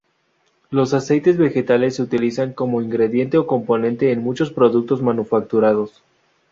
Los aceites vegetales se utilizan como ingrediente o componente en muchos productos manufacturados.